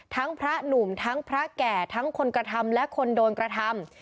พระหนุ่มทั้งพระแก่ทั้งคนกระทำและคนโดนกระทำ